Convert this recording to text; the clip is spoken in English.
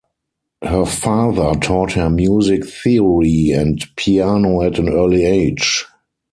Her father taught her music theory and piano at an early age.